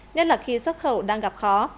nhất là khi xuất khẩu đang gặp khó